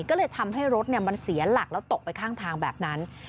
ก็เลยทำให้รถมันเสียหลักแล้วตกไปข้างทางแบบนั้น